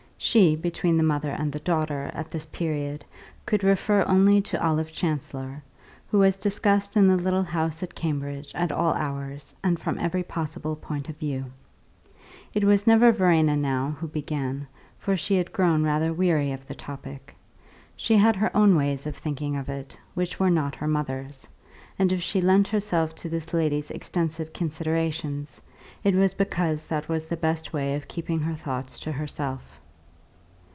"She," between the mother and the daughter, at this period, could refer only to Olive Chancellor, who was discussed in the little house at Cambridge at all hours and from every possible point of view. It was never Verena now who began, for she had grown rather weary of the topic; she had her own ways of thinking of it, which were not her mother's, and if she lent herself to this lady's extensive considerations it was because that was the best way of keeping her thoughts to herself.